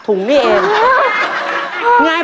ตัวเลือดที่๑นกแก้วมาคอ